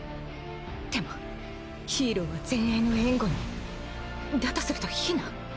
でもヒーローは前衛の援護にだとすると避難？